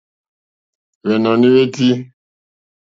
Hwènɔ̀ní hwé tʃí.